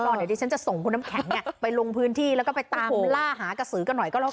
เดี๋ยวดิฉันจะส่งคุณน้ำแข็งไปลงพื้นที่แล้วก็ไปตามล่าหากระสือกันหน่อยก็แล้วกัน